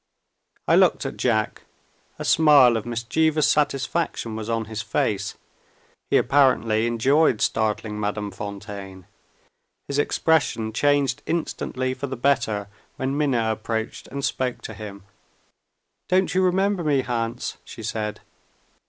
I looked at Jack. A smile of mischievous satisfaction was on his face. He apparently enjoyed startling Madame Fontaine. His expression changed instantly for the better, when Minna approached and spoke to him. "Don't you remember me, Hans?" she said.